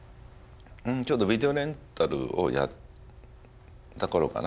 ちょうどビデオレンタルをやった頃かな。